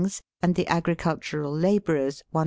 and the agricultural labourers Is.